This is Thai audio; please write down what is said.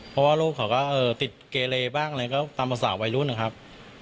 เพราะว่าลูกเขาก็ติดเกเลบ้างอะไรก็ตามภาษาวัยรุ่นนะครับ